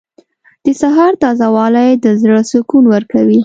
• د سهار تازه والی د زړه سکون ورکوي.